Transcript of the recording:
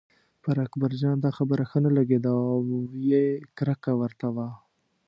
پر اکبرجان دا خبره ښه نه لګېده او یې کرکه ورته وه.